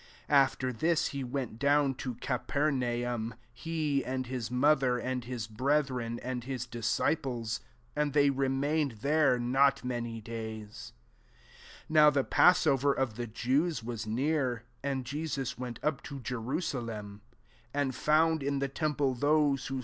12 After this, he went down to Capernaum, he, and his mo ther, and his brethren, and his disciples: and they remained ihere not many days. IS NOW the pmssover of the Jews was near ; and Jesus went tip to Jerusalem ; 14 and found in the temple those who.